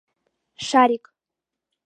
Шарик.